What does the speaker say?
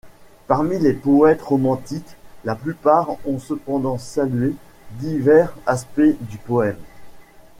Parmi les poètes romantiques, la plupart ont cependant salué divers aspects du poème.